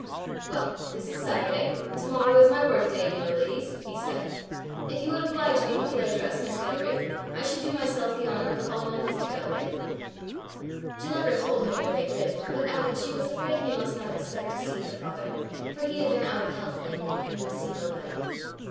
"Well, this is Saturday, and tomorrow is my work day, you know, ladies," he said. "If you would oblige me with your address, Miss Galbraith, I should do myself the honour of calling on Mr. Galbraith." Ginevra told him where they lived, but added she was afraid he must not expect to see her father, for he had been out of health lately, and would see nobody.